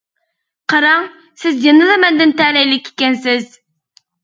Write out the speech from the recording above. قاراڭ، سىز يەنىلا مەندىن تەلەيلىك ئىكەنسىز.